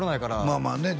まあまあね